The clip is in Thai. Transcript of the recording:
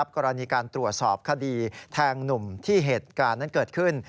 กรณีการตรวจสอบคดีแทงหนุ่มที่เหตุการณ์นั้นเกิดขึ้น